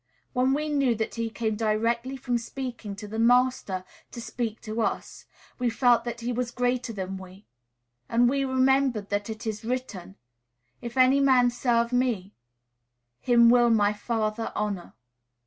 When we knew that he came directly from speaking to the Master to speak to us, we felt that he was greater than we, and we remembered that it is written, "If any man serve me, him will my Father honor."